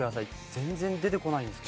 全然出てこないんですけど。